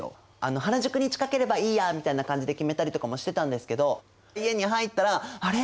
原宿に近ければいいやみたいな感じで決めたりとかもしてたんですけど家に入ったら「あれ！？